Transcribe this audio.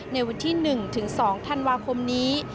ในวันที่๑ถึง๒ธันวาคมนี้